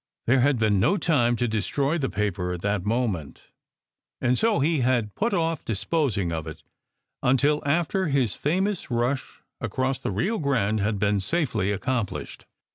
There had been no time to destroy the paper at that moment, and so he had put off disposing of it until after his famous rush across the Rio Grande had been safely accomplished.